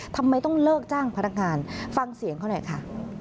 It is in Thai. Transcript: ทำไมต้องเลิกจ้างพนักงานฟังเสียงเขาหน่อยค่ะ